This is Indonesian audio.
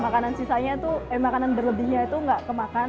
makanan sisanya itu eh makanan berlebihnya itu gak kemakan